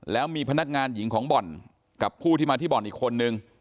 แล้วมีพนักงานหญิงของบ่อนกับผู้ที่มาที่บ่อนอีกคนนึง